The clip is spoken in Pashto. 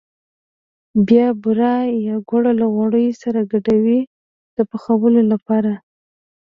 بیا بوره یا ګوړه له غوړیو سره ګډوي د پخولو لپاره.